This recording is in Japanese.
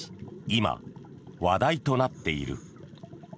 今、話題となっている。